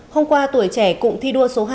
hôm qua tuổi trẻ cụm thi đua số hai